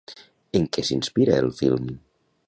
En què s'inspira el film?